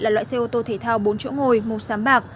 là loại xe ô tô thể thao bốn chỗ ngồi mô xám bạc